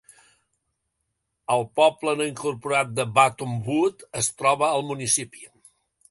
El poble no incorporat de Buttonwood es troba al municipi.